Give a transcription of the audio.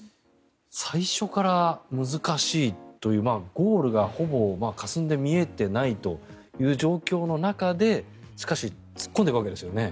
最初から難しいというゴールがほぼかすんで見えていないという状況の中でしかし突っ込んでいくわけですよね。